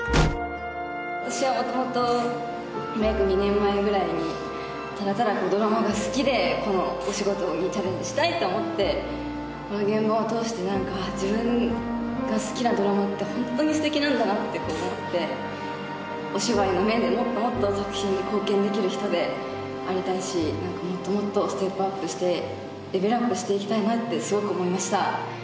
私はもともとまあ約２年前ぐらいにただただドラマが好きでこのお仕事にチャレンジしたいって思ってこの現場を通してなんかあっ自分が好きなドラマって本当に素敵なんだなって思ってお芝居の面でもっともっと作品に貢献できる人でありたいしもっともっとステップアップしてレベルアップしていきたいなってすごく思いました